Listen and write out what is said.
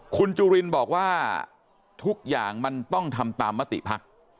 คุณจุรินบอกว่าทุกอย่างมันต้องทำตามมติภักดิ์